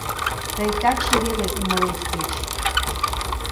Тый таче веле умылет кеч –